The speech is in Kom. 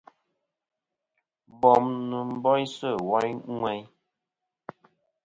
Bom nɨn boysɨ woyn ŋweyn.